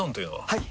はい！